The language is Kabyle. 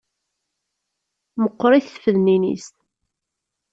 Meqqṛit tfednin-is.